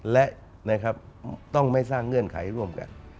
และต้องไม่สร้างเงื่อนไขร่วมกัน